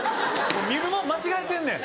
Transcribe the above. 見るもん間違えてんねん。